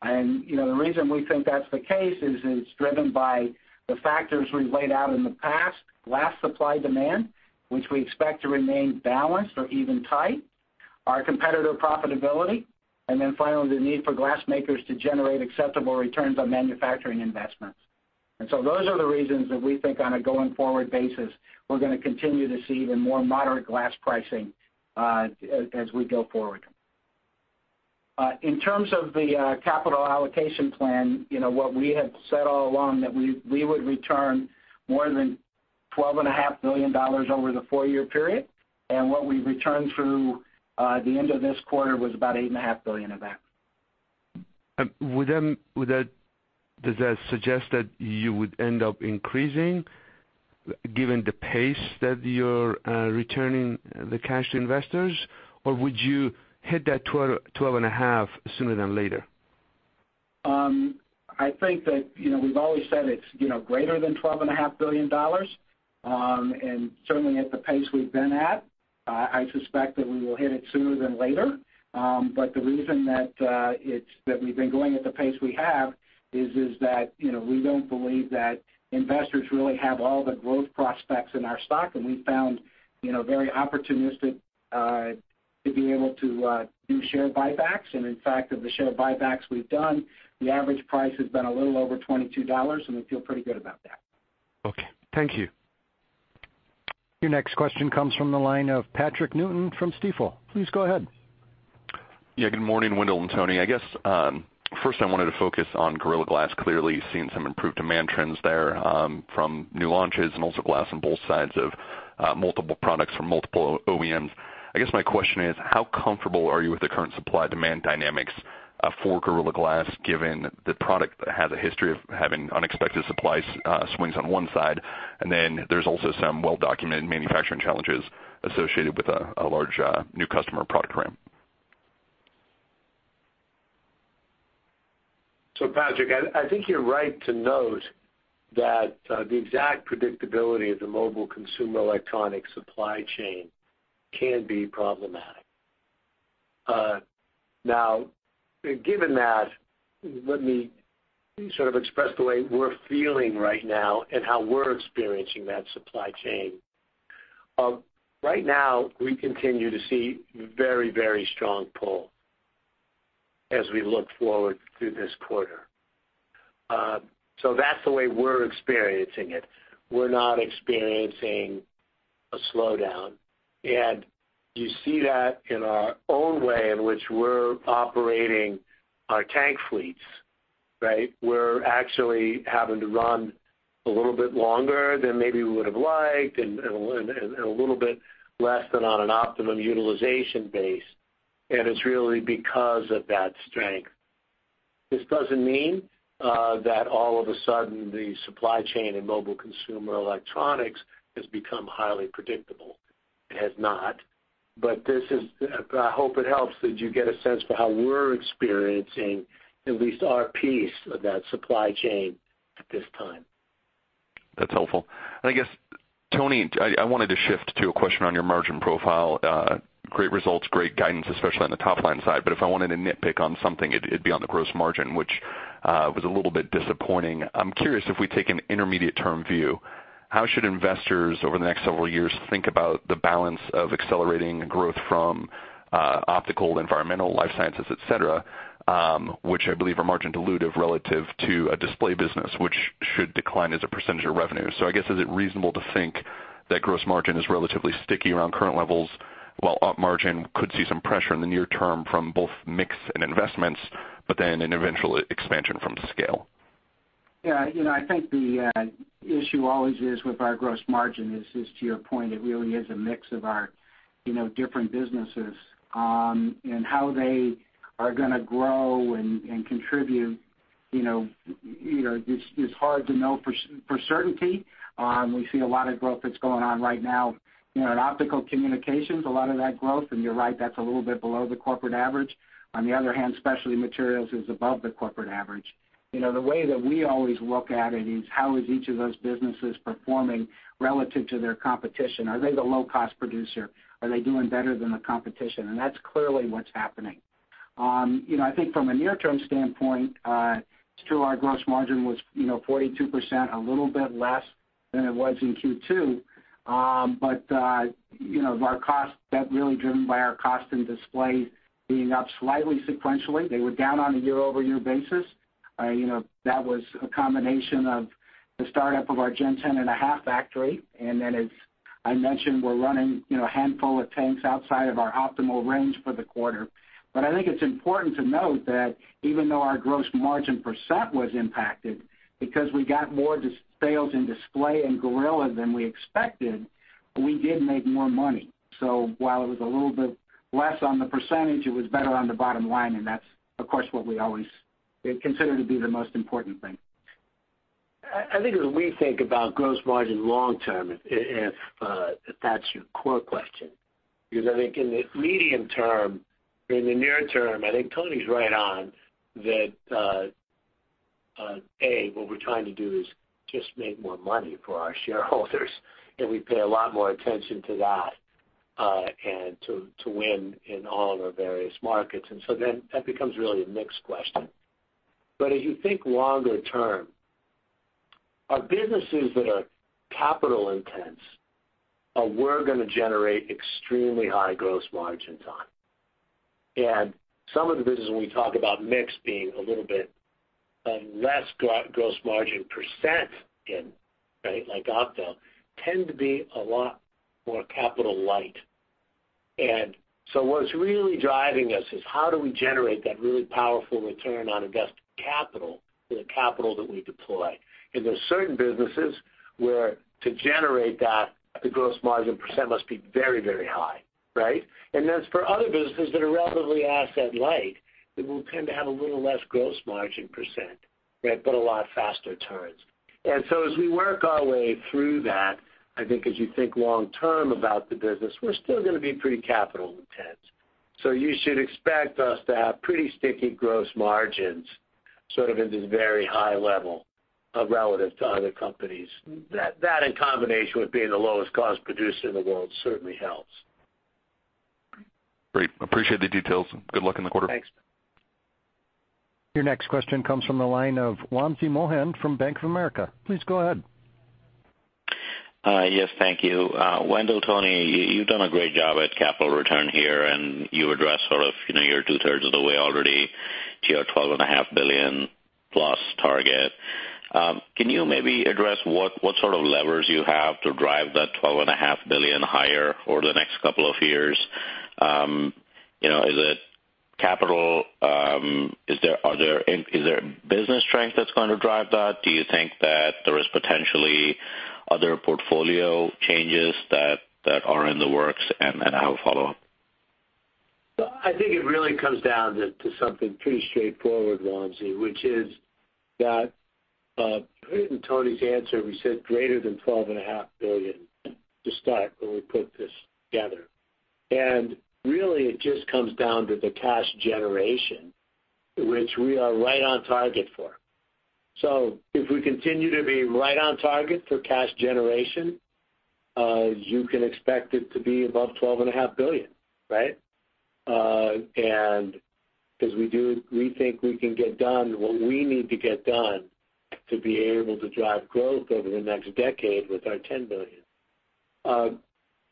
The reason we think that's the case is it's driven by the factors we've laid out in the past. Glass supply-demand, which we expect to remain balanced or even tight, our competitor profitability, and finally, the need for glass makers to generate acceptable returns on manufacturing investments. Those are the reasons that we think on a going forward basis, we're going to continue to see even more moderate glass pricing as we go forward. In terms of the capital allocation plan, what we have said all along that we would return more than $12.5 billion over the four-year period. What we returned through, the end of this quarter was about $8.5 billion of that. Does that suggest that you would end up increasing given the pace that you're returning the cash to investors? Or would you hit that $12.5 sooner than later? I think that we've always said it's greater than $12.5 billion. Certainly at the pace we've been at, I suspect that we will hit it sooner than later. The reason that we've been going at the pace we have is that we don't believe that investors really have all the growth prospects in our stock, and we found very opportunistic, to be able to do share buybacks. In fact, of the share buybacks we've done, the average price has been a little over $22, and we feel pretty good about that. Okay. Thank you. Your next question comes from the line of Patrick Newton from Stifel. Please go ahead. Good morning, Wendell and Tony. I guess, first I wanted to focus on Gorilla Glass, clearly seen some improved demand trends there, from new launches and also glass on both sides of multiple products from multiple OEMs. I guess my question is, how comfortable are you with the current supply demand dynamics, for Gorilla Glass, given the product has a history of having unexpected supply swings on one side, and then there's also some well-documented manufacturing challenges associated with a large new customer product ramp. Patrick, I think you're right to note that the exact predictability of the Mobile Consumer Electronics supply chain can be problematic. Given that, let me sort of express the way we're feeling right now and how we're experiencing that supply chain. Right now, we continue to see very, very strong pull as we look forward through this quarter. That's the way we're experiencing it. We're not experiencing a slowdown, and you see that in our own way in which we're operating our tank fleets. Right. We're actually having to run a little bit longer than maybe we would've liked and a little bit less than on an optimum utilization base, and it's really because of that strength. This doesn't mean that all of a sudden the supply chain in Mobile Consumer Electronics has become highly predictable. It has not. I hope it helps that you get a sense for how we're experiencing at least our piece of that supply chain at this time. That's helpful. I guess, Tony, I wanted to shift to a question on your margin profile. Great results, great guidance, especially on the top-line side, but if I wanted to nitpick on something, it'd be on the gross margin, which was a little bit disappointing. I'm curious if we take an intermediate-term view, how should investors over the next several years think about the balance of accelerating growth from Optical Communications, environmental, Life Sciences, et cetera, which I believe are margin dilutive relative to a display business, which should decline as a percentage of revenue. I guess, is it reasonable to think that gross margin is relatively sticky around current levels, while op margin could see some pressure in the near term from both mix and investments, but then an eventual expansion from scale? I think the issue always is with our gross margin is to your point, it really is a mix of our different businesses, and how they are going to grow and contribute is hard to know for certainty. We see a lot of growth that's going on right now. In Optical Communications, a lot of that growth, and you're right, that's a little bit below the corporate average. On the other hand, Specialty Materials is above the corporate average. The way that we always look at it is how is each of those businesses performing relative to their competition? Are they the low-cost producer? Are they doing better than the competition? That's clearly what's happening. I think from a near-term standpoint, it's true our gross margin was 42%, a little bit less than it was in Q2. That really driven by our cost and Display being up slightly sequentially. They were down on a year-over-year basis. That was a combination of the startup of our Gen 10.5 factory, then as I mentioned, we're running a handful of tanks outside of our optimal range for the quarter. I think it's important to note that even though our gross margin percent was impacted because we got more sales in Display and Gorilla than we expected, we did make more money. While it was a little bit less on the percentage, it was better on the bottom line, that's, of course, what we always consider to be the most important thing. I think as we think about gross margin long term, if that's your core question, because I think in the medium term, in the near term, I think Tony's right on that, A, what we're trying to do is just make more money for our shareholders, and we pay a lot more attention to that, and to win in all of our various markets. That becomes really a mix question. If you think longer term, our businesses that are capital intense, we're going to generate extremely high gross margins on. Some of the businesses we talk about mix being a little bit less gross margin percent in, like opto, tend to be a lot more capital light. What's really driving us is how do we generate that really powerful return on invested capital for the capital that we deploy? There's certain businesses where to generate that, the gross margin percent must be very, very high. Right? For other businesses that are relatively asset light, that will tend to have a little less gross margin percent, but a lot faster turns. As we work our way through that, I think as you think long term about the business, we're still going to be pretty capital intense. You should expect us to have pretty sticky gross margins, sort of at this very high level, relative to other companies. That in combination with being the lowest cost producer in the world certainly helps. Great. Appreciate the details, good luck in the quarter. Thanks. Your next question comes from the line of Wamsi Mohan from Bank of America. Please go ahead. Yes, thank you. Wendell, Tony, you've done a great job at capital return here, and you addressed sort of you're two-thirds of the way already to your $12.5 billion-plus target. Can you maybe address what sort of levers you have to drive that $12.5 billion higher over the next couple of years? Is it capital? Is there business strength that's going to drive that? Do you think that there is potentially other portfolio changes that are in the works? I have a follow-up. I think it really comes down to something pretty straightforward, Wamsi, which is that in Tony's answer, we said greater than $12.5 billion to start when we put this together. Really it just comes down to the cash generation, which we are right on target for. If we continue to be right on target for cash generation, you can expect it to be above $12.5 billion, right? Because we think we can get done what we need to get done to be able to drive growth over the next decade with our $10 billion.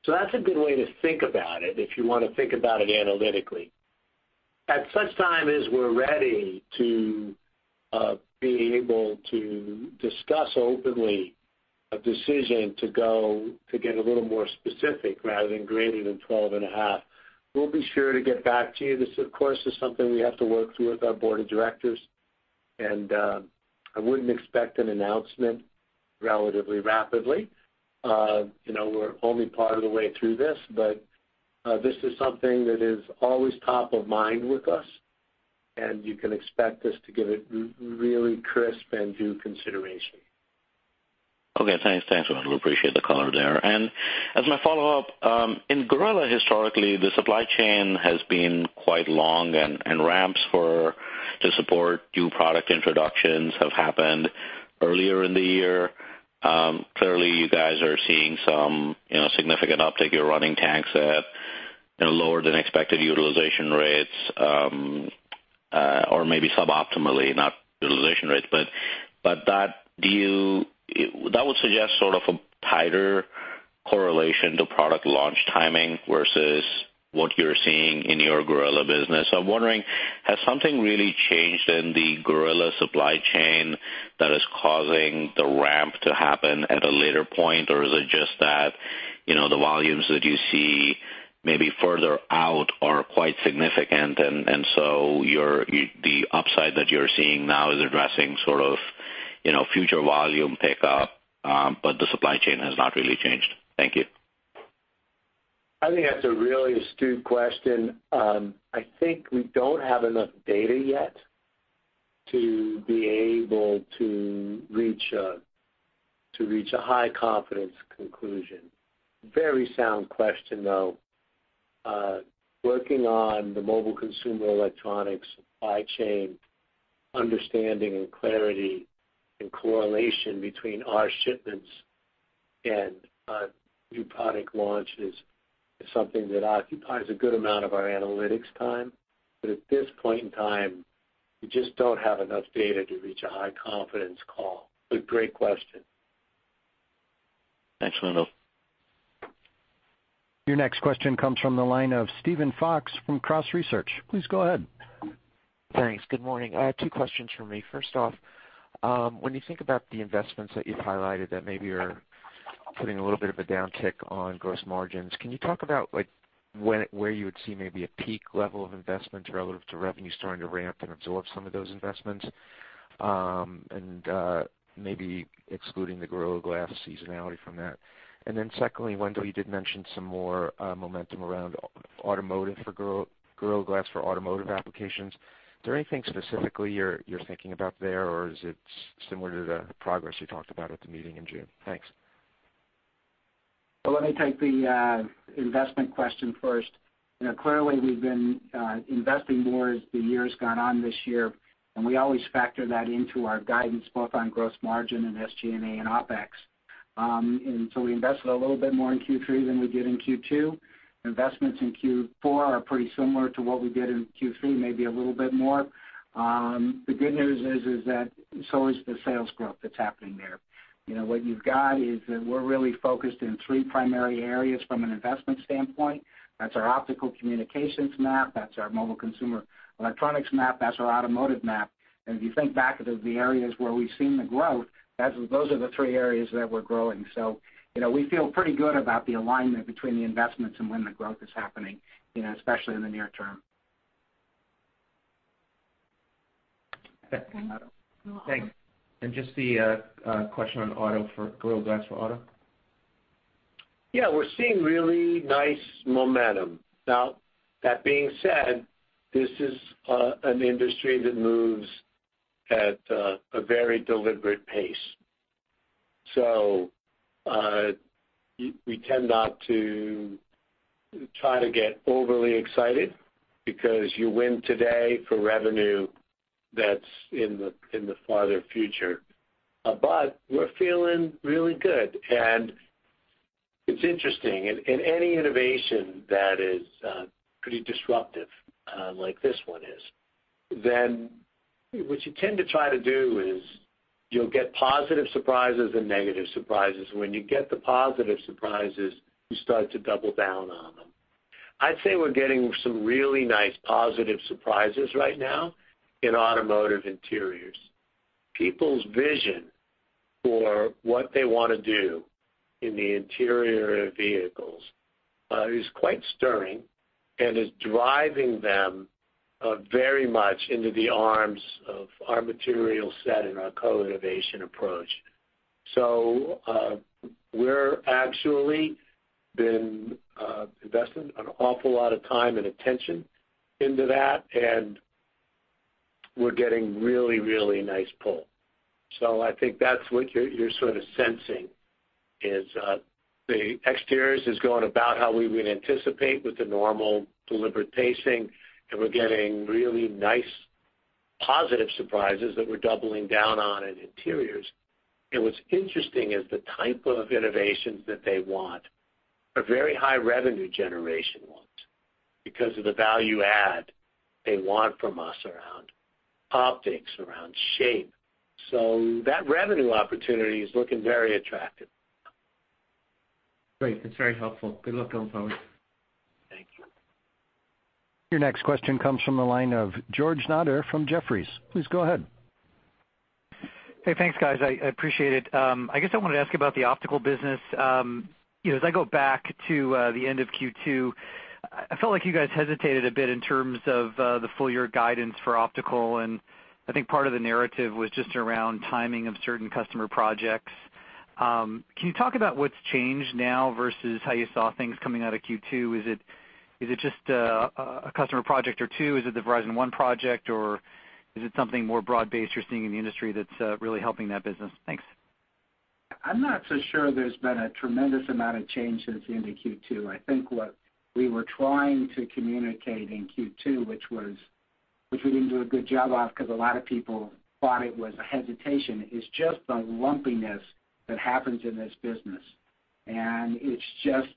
That's a good way to think about it if you want to think about it analytically. At such time as we're ready to be able to discuss openly a decision to go to get a little more specific rather than greater than $12.5. We'll be sure to get back to you. This, of course, is something we have to work through with our board of directors, and I wouldn't expect an announcement relatively rapidly. We're only part of the way through this, but this is something that is always top of mind with us, and you can expect us to give it really crisp and due consideration. Okay. Thanks, Wendell. Appreciate the color there. As my follow-up, in Gorilla, historically, the supply chain has been quite long, and ramps to support new product introductions have happened earlier in the year. Clearly you guys are seeing some significant uptick. You're running tanks at lower than expected utilization rates, or maybe sub-optimally, not utilization rates. That would suggest sort of a tighter correlation to product launch timing versus what you're seeing in your Gorilla business. I'm wondering, has something really changed in the Gorilla supply chain that is causing the ramp to happen at a later point, or is it just that the volumes that you see maybe further out are quite significant, and so the upside that you're seeing now is addressing future volume pickup, but the supply chain has not really changed? Thank you. I think that's a really astute question. I think we don't have enough data yet to be able to reach a high confidence conclusion. Very sound question, though. Working on the Mobile Consumer Electronics supply chain, understanding and clarity and correlation between our shipments and new product launch is something that occupies a good amount of our analytics time. At this point in time, we just don't have enough data to reach a high confidence call. Great question. Thanks, Wendell. Your next question comes from the line of Steven Fox from Cross Research. Please go ahead. Thanks. Good morning. I have two questions for me. First off, when you think about the investments that you've highlighted that maybe are putting a little bit of a downtick on gross margins, can you talk about where you would see maybe a peak level of investments relative to revenues starting to ramp and absorb some of those investments? Maybe excluding the Gorilla Glass seasonality from that. Secondly, Wendell, you did mention some more momentum around Gorilla Glass for Automotive applications. Is there anything specifically you're thinking about there, or is it similar to the progress you talked about at the meeting in June? Thanks. Let me take the investment question first. Clearly we've been investing more as the year's gone on this year, we always factor that into our guidance both on gross margin and SG&A and OpEx. We invested a little bit more in Q3 than we did in Q2. Investments in Q4 are pretty similar to what we did in Q3, maybe a little bit more. The good news is that so is the sales growth that's happening there. What you've got is that we're really focused in three primary areas from an investment standpoint. That's our Optical Communications map, that's our Mobile Consumer Electronics map, that's our Automotive map. If you think back to the areas where we've seen the growth, those are the three areas that we're growing. We feel pretty good about the alignment between the investments and when the growth is happening, especially in the near term. Thanks. Just the question on Gorilla Glass for Automotive. We're seeing really nice momentum. Now, that being said, this is an industry that moves at a very deliberate pace. We tend not to try to get overly excited because you win today for revenue that's in the farther future. We're feeling really good. It's interesting, in any innovation that is pretty disruptive, like this one is, what you tend to try to do is you'll get positive surprises and negative surprises. When you get the positive surprises, you start to double down on them. I'd say we're getting some really nice positive surprises right now in Automotive interiors. People's vision for what they want to do in the interior of vehicles is quite stirring and is driving them very much into the arms of our material set and our co-innovation approach. We're actually been investing an awful lot of time and attention into that, and we're getting really, really nice pull. I think that's what you're sort of sensing is the exteriors is going about how we would anticipate with the normal deliberate pacing, and we're getting really nice positive surprises that we're doubling down on in interiors. What's interesting is the type of innovations that they want are very high revenue generation want because of the value add they want from us around optics, around shape. That revenue opportunity is looking very attractive. Great. That's very helpful. Good luck on both. Your next question comes from the line of George Notter from Jefferies. Please go ahead. Hey, thanks guys. I appreciate it. I guess I wanted to ask about the Optical Communications business. As I go back to the end of Q2, I felt like you guys hesitated a bit in terms of the full year guidance for Optical Communications, and I think part of the narrative was just around timing of certain customer projects. Can you talk about what's changed now versus how you saw things coming out of Q2? Is it just a customer project or two? Is it the One Fiber project, or is it something more broad-based you're seeing in the industry that's really helping that business? Thanks. I'm not so sure there's been a tremendous amount of change since the end of Q2. I think what we were trying to communicate in Q2, which we didn't do a good job of, because a lot of people thought it was a hesitation, is just the lumpiness that happens in this business. It's just,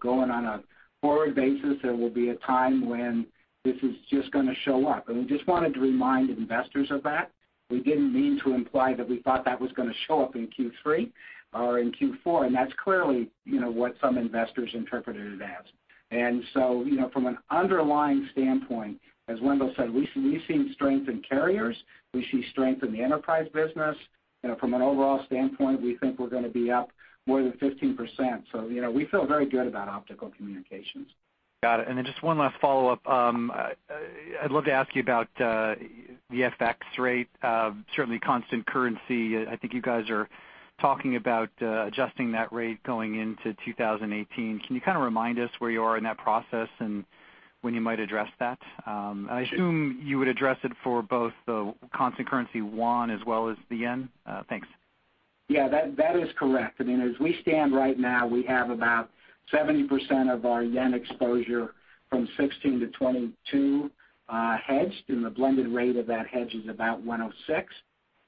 going on a forward basis, there will be a time when this is just going to show up. We just wanted to remind investors of that. We didn't mean to imply that we thought that was going to show up in Q3 or in Q4, and that's clearly what some investors interpreted it as. From an underlying standpoint, as Wendell said, we've seen strength in carriers. We see strength in the enterprise business. From an overall standpoint, we think we're going to be up more than 15%. We feel very good about Optical Communications. Got it. Just one last follow-up. I'd love to ask you about the FX rate. Certainly constant currency, I think you guys are talking about adjusting that rate going into 2018. Can you kind of remind us where you are in that process and when you might address that? I assume you would address it for both the constant currency KRW as well as the JPY. Thanks. That is correct. As we stand right now, we have about 70% of our JPY exposure from 2016 to 2022 hedged, and the blended rate of that hedge is about 106.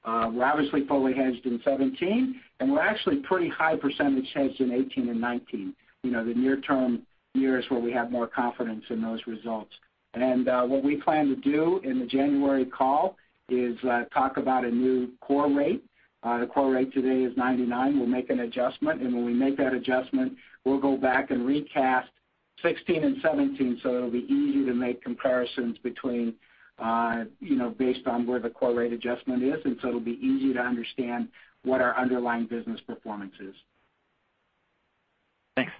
We're obviously fully hedged in 2017, and we're actually pretty high percentage hedged in 2018 and 2019. The near term years where we have more confidence in those results. What we plan to do in the January call is talk about a new core rate. The core rate today is 99. We'll make an adjustment, and when we make that adjustment, we'll go back and recast 2016 and 2017 so it'll be easy to make comparisons based on where the core rate adjustment is, and so it'll be easy to understand what our underlying business performance is. Thanks.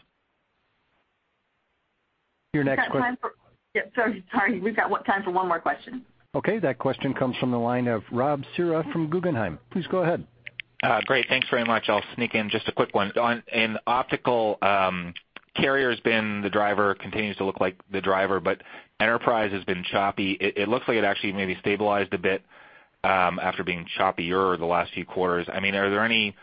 Your next. We've got time for Yep, sorry. We've got time for one more question. Okay, that question comes from the line of Rob Cihra from Guggenheim. Please go ahead. Great. Thanks very much. I'll sneak in just a quick one. In optical, carrier's been the driver, continues to look like the driver, enterprise has been choppy. It looks like it actually maybe stabilized a bit after being choppier the last few quarters. Are there any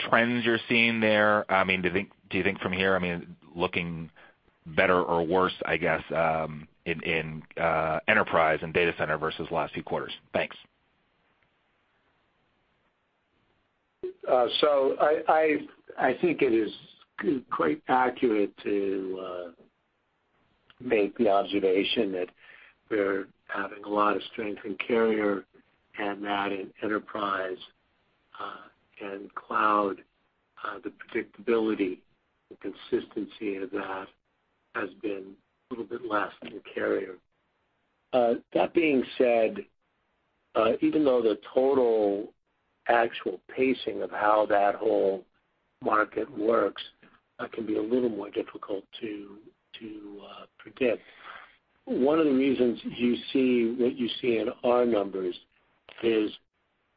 trends you're seeing there? Do you think from here, looking better or worse, I guess, in enterprise, in data center versus the last few quarters? Thanks. I think it is quite accurate to make the observation that we're having a lot of strength in carrier and that in enterprise, and cloud, the predictability, the consistency of that has been a little bit less than a carrier. That being said, even though the total actual pacing of how that whole market works can be a little more difficult to predict, one of the reasons that you see in our numbers is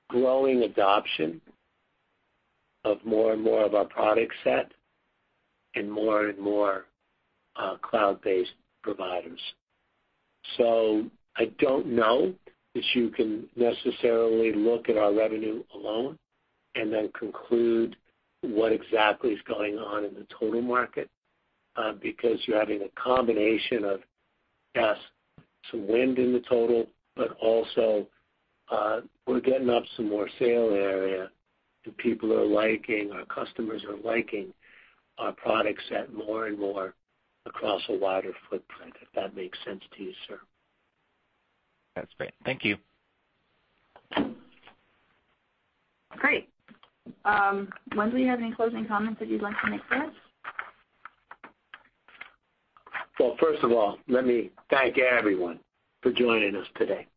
growing adoption of more and more of our product set in more and more cloud-based providers. I don't know that you can necessarily look at our revenue alone and then conclude what exactly is going on in the total market, because you're having a combination of, yes, some wind in the total, but also we're getting up some more sail area. Our customers are liking our product set more and more across a wider footprint, if that makes sense to you, sir. That's great. Thank you. Great. Wendell, you have any closing comments that you'd like to make for us? First of all, let me thank everyone for joining us today.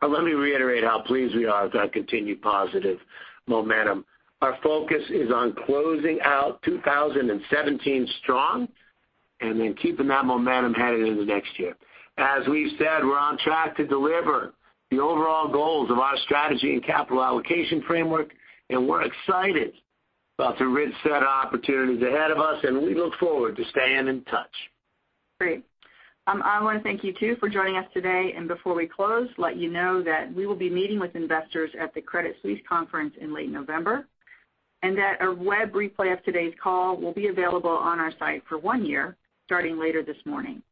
Let me reiterate how pleased we are with our continued positive momentum. Our focus is on closing out 2017 strong, then keeping that momentum headed into next year. As we've said, we're on track to deliver the overall goals of our strategy and capital allocation framework. We're excited about the rich set of opportunities ahead of us. We look forward to staying in touch. Great. I want to thank you, too, for joining us today. Before we close, let you know that we will be meeting with investors at the Credit Suisse Conference in late November. A web replay of today's call will be available on our site for one year starting later this morning.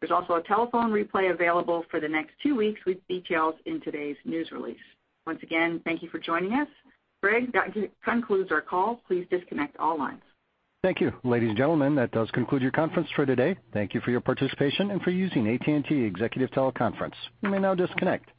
There's also a telephone replay available for the next two weeks with details in today's news release. Once again, thank you for joining us. Greg, that concludes our call. Please disconnect all lines. Thank you. Ladies and gentlemen, that does conclude your conference for today. Thank you for your participation and for using AT&T Executive Teleconference. You may now disconnect.